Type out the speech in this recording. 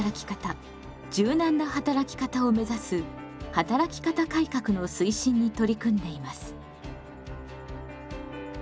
働き方改革の推進に取り組んでいます。